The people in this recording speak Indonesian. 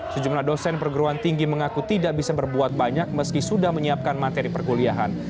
sejumlah dosen perguruan tinggi mengaku tidak bisa berbuat banyak meski sudah menyiapkan materi perkuliahan